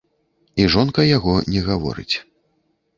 І жонка яго не гаворыць.